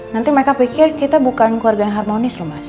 nanti mereka pikir kita bukan keluarga yang harmonis loh mas